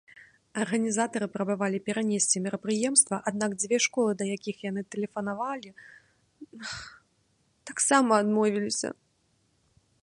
Арганізатары прабавалі перанесці мерапрыемства, аднак дзве школы, да якіх яны тэлефанавалі, таксама адмовіліся.